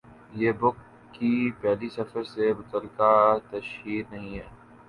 یہ بُک کی پہلی سفر سے متعلقہ تشہیر نہیں ہے